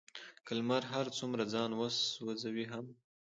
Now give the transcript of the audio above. که لمر هر څومره ځان وسوزوي هم،